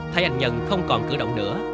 thấy anh nhân không còn cử động nữa